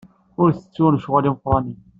Ur ttettu lecɣal imeqranen.